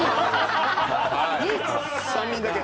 ３人だけ？